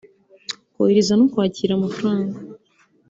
kohereza no kwakira amafaranga